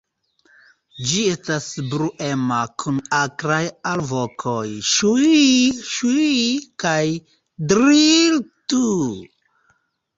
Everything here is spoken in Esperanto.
Ĝi estas bruema, kun akraj alvokoj "sŭii-sŭii" kaj "driii-tu".